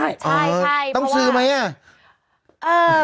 ใช่ต้องซื้อไหมอ่ะ